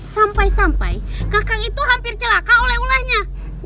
sampai sampai kakang itu hampir celaka oleh ulahnya